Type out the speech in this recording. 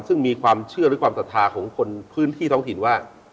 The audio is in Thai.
ซึ่งมีความเชื่อหรือความศรัทธาของคนพื้นที่ท้องถิ่นว่า